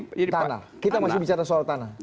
tanah kita masih bicara soal tanah